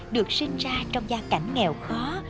được sinh ra trong gia cảnh nghèo khó